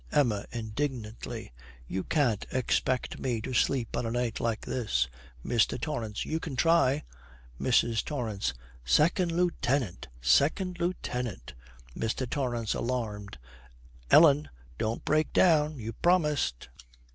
EMMA, indignantly, 'You can't expect me to sleep on a night like this.' MR. TORRANCE. 'You can try.' MRS. TORRANCE. '2nd Lieutenant! 2nd Lieutenant!' MR. TORRANCE, alarmed, 'Ellen, don't break down. You promised.'